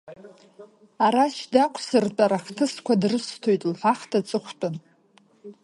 Арашь дақәсыртәар, аҳҭыҳәса дрысҭоит, лҳәахт аҵыхәтәан.